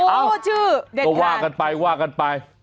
โอ้ชื่อเด็ดทางว่ากันไป